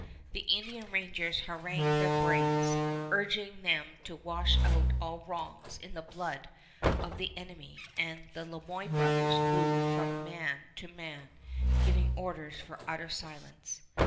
The Indian rangers harangued their braves, urging them to wash out all wrongs in the blood of the enemy, and the Le Moyne brothers moved from man to man, giving orders for utter silence.